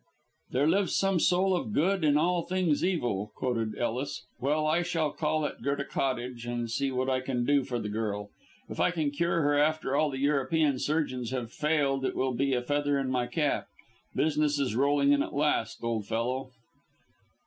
"'There lives some soul of good in all things evil,'" quoted Ellis. "Well, I shall call at Goethe Cottage and see what I can do for the girl. If I can cure her after all the European surgeons have failed it will be a feather in my cap. Business is rolling in at last, old fellow."